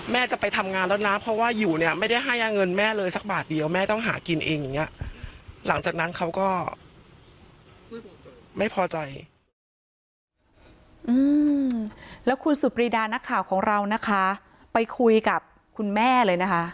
แม่จะไปทำงานแล้วนะเพราะว่าอยู่เนี้ยไม่ได้ให้ยาเงินแม่เลยสักบาทเดียวแม่ต้องหากินเองอย่างเงี้ยหลังจากนั้นเขาก็ไม่พอใจอื้อแล้วคุณสุปรีดาณนักข่าวของเรานะคะไปคุยกับคุณแม่เลยนะคะ